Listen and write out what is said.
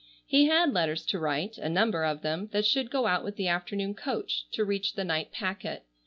He had letters to write, a number of them, that should go out with the afternoon coach, to reach the night packet.